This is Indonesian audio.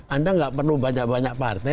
anda nggak perlu banyak banyak partai